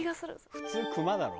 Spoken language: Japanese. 普通熊だろ。